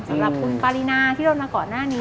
สำหรับคุณปารีนาที่โดนมาก่อนหน้านี้